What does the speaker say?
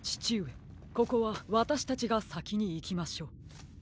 ここはわたしたちがさきにいきましょう。